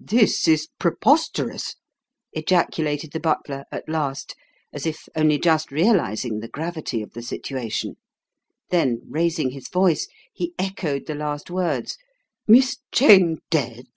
"This is preposterous!" ejaculated the butler, at last, as if only just realizing the gravity of the situation; then, raising his voice, he echoed the last words, "Miss Cheyne dead!"